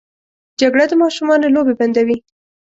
جګړه د ماشومانو لوبې بندوي